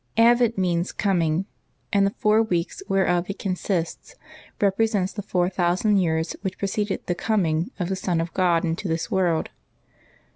Advent means coming, and the four weeks whereof it consists represent the four thousand years which ^ preceded the coming of the Son of God into this world.